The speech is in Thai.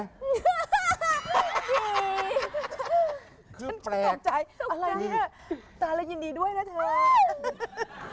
ดีคือแปลกฉันฉันต้องใจอะไรนี่ตาละยินดีด้วยนะเธอ